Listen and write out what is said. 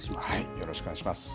よろしくお願いします。